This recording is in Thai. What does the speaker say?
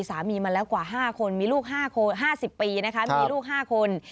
มาแล้วกว่า๕คนมีลูก๕๐ปีนะคะมีลูก๕คน